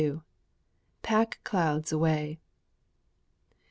"PACK CLOUDS AWAY."